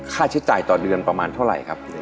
ค่าใช้จ่ายต่อเดือนประมาณเท่าไหร่ครับ